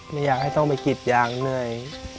ไม่ให้ต้องไปกิดยางเนื่อย